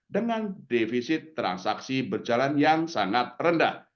dengan defisit transaksi berjalan yang sangat rendah